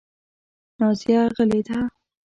نازیه غلې ده .